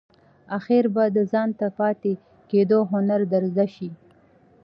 آخیر به د ځانته پاتې کېدو هنر در زده شي !